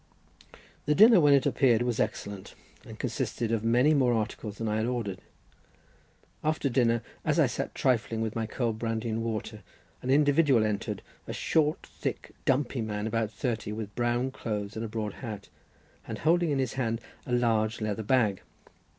The dinner when it appeared was excellent, and consisted of many more articles than I had ordered. After dinner, as I sat "trifling" with my cold brandy and water, an individual entered—a short, thick, dumpy man about thirty, with brown clothes and a broad hat, and holding in his hand a large leather bag.